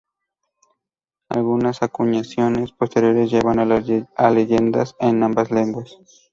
Algunas acuñaciones posteriores llevan las leyendas en ambas lenguas.